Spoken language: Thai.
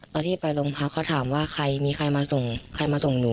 ตอนที่ไปรงพร้าวเขาถามว่าใครมีใครมาส่งนาย